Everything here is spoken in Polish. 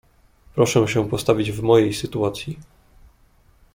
"Proszę się postawić w mojej sytuacji."